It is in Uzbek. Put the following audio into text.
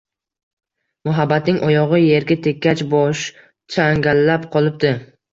Muhabbatning oyog`i erga tekkach, bosh changallab qolibdi